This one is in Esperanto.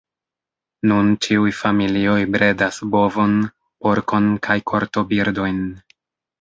Nun ĉiuj familioj bredas bovon, porkon kaj kortobirdojn.